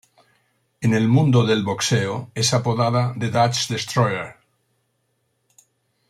En el mundo del boxeo, es apodada "The Dutch Destroyer".